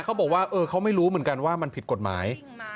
เขาบอกว่าเขาไม่รู้เหมือนกันว่ามันผิดกฎหมาย